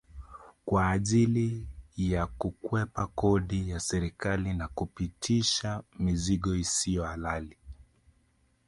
Kwa ajili ya kukwepa kodi ya serikali na kupitisha mizigo isiyo halali